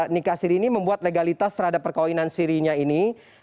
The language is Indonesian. nikah siri ini membuat legalitas terhadap perkawinan sirinya ini